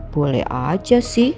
boleh aja sih